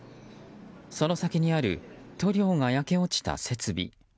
その先にある塗料が焼け落ちた設備。